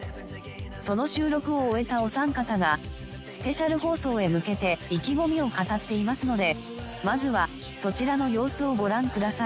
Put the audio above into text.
その収録を終えたお三方がスペシャル放送へ向けて意気込みを語っていますのでまずはそちらの様子をご覧ください。